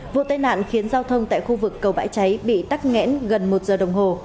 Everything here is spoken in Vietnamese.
vụ tai nạn khiến giao thông tại khu vực cầu bãi cháy bị tắt nghẽn gần một giờ đồng hồ